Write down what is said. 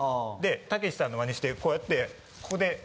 でたけしさんのマネしてこうやってここで。